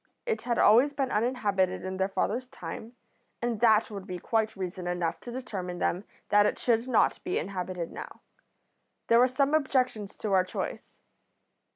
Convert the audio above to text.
It had always been uninhabited in their father's time, and that would be quite reason enough to determine them that it should not be inhabited now. There were some objections to our choice.